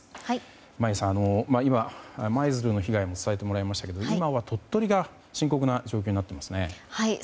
眞家さん、今、舞鶴の被害も伝えてもらいましたが今は鳥取が深刻な状況になっていますね。